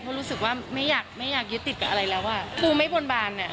เพราะว่ารู้สึกว่าไม่อยากยึดติดกับอะไรแหละปูไม่ปนบาน